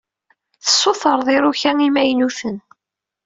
Tessutreḍ iruka imaynuten.